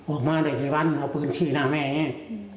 ออกมาแต่กี่วันเอาพื้นที่หน้าแม่เนี่ย